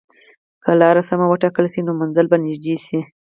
که لار سمه وټاکل شي، نو منزل به نږدې شي.